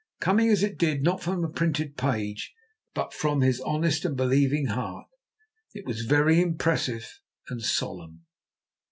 Coming as it did, not from a printed page, but from his honest and believing heart, it was very impressive and solemn.